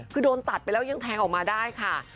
คือโดนตัดไปแล้วยังแทงออกมาได้ค่ะ